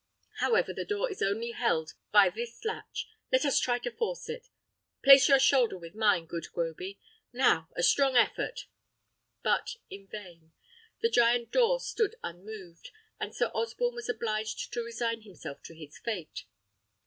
However, the door is only held by this latch; let us try to force it. Place your shoulder with mine, good Groby. Now a strong effort!" But in vain. The giant door stood unmoved, and Sir Osborne was obliged to resign himself to his fate.